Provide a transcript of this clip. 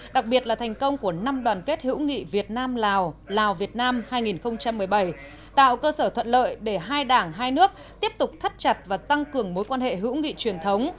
đặc biệt là thành công của năm đoàn kết hữu nghị việt nam lào lào việt nam hai nghìn một mươi bảy tạo cơ sở thuận lợi để hai đảng hai nước tiếp tục thắt chặt và tăng cường mối quan hệ hữu nghị truyền thống